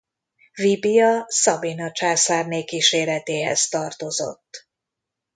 Vibia Sabina császárné kíséretéhez tartozott.